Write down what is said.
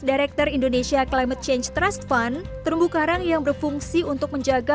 director indonesia climate change trust fund terumbu karang yang berfungsi untuk menjaga